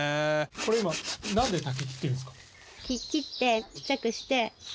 これ今なんで竹切ってるんですか？